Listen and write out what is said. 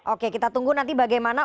oke kita tunggu nanti bagaimana